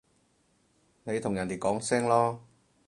你同人哋講聲囉